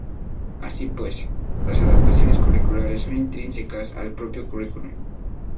Así pues, las adaptaciones curriculares son intrínsecas al propio currículum.